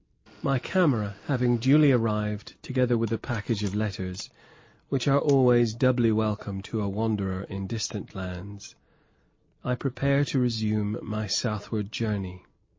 My camera having duly arrived, together with a package of letters, which are always doubly welcome to a wanderer in distant lands, I prepare to resume my southward journey.